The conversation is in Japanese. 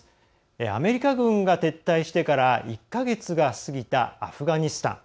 アメリカ軍が撤退してから１か月が過ぎたアフガニスタン。